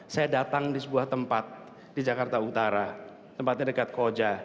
saya datang di sebuah tempat di jakarta utara tempatnya dekat koja